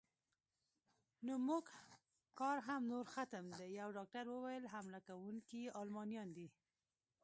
نو زموږ کار هم نور ختم دی، یو ډاکټر وویل: حمله کوونکي المانیان دي.